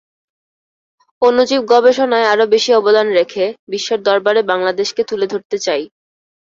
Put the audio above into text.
অণুজীব গবেষণায় আরও বেশি অবদান রেখে বিশ্বের দরবারে বাংলাদেশকে তুলে ধরতে চাই।